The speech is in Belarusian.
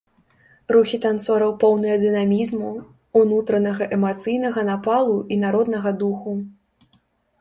Рухі танцораў поўныя дынамізму, унутранага эмацыйнага напалу і народнага духу.